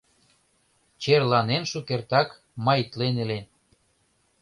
Черланен шукертак, маитлен илен.